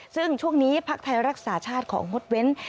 ซึ่งช่วงนี้พักไทยรักษาชาติของงดเว้น